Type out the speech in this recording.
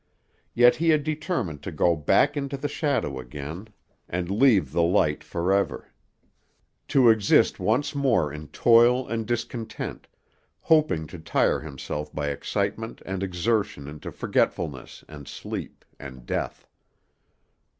Yet he had determined to go back into the shadow again, and leave the light forever; to exist once more in toil and discontent, hoping to tire himself by excitement and exertion into forgetfulness, and sleep, and death.